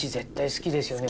好きですね。